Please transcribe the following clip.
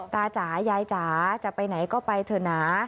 จ๋ายายจ๋าจะไปไหนก็ไปเถอะนะ